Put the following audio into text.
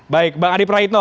baik bang adi pratno